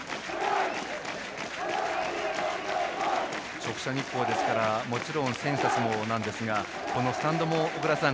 直射日光ですから選手たちもですがこのスタンドも小倉さん